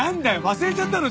忘れちゃったの？